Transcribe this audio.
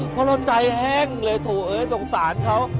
เพราะเราใจแห้งเลยโถเอ้ยสงสารเขา